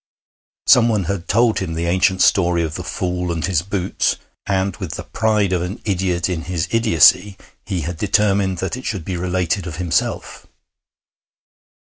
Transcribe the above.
Someone had told him the ancient story of the fool and his boots, and, with the pride of an idiot in his idiocy, he had determined that it should be related of himself.